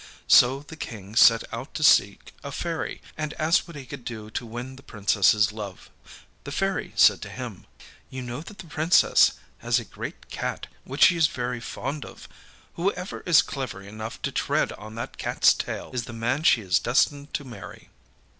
So the King set out to seek a fairy, and asked what he could do to win the Princessâs love. The Fairy said to him: âYou know that the Princess has a great cat which she is very fond of. Whoever is clever enough to tread on that catâs tail is the man she is destined to marry.